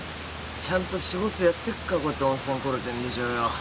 ちゃんと仕事やってっからこうやって温泉来れてんでしょうよ。